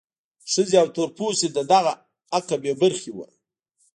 ښځې او تور پوستي له دغه حقه بې برخې وو.